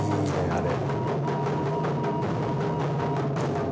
あれ。